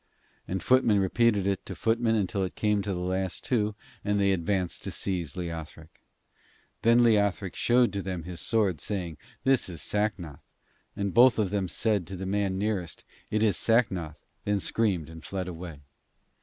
And footman repeated it to footman till it came to the last two, and they advanced to seize Leothric. Then Leothric showed to them his sword, saying, 'This is Sacnoth,' and both of them said to the man nearest: 'It is Sacnoth;' then screamed and fled away.